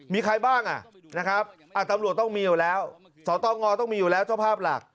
มีใครบ้างนะครับตำรวจต้องมีอยู่แล้วสตงต้องมีอยู่แล้วเจ้าภาพหลัก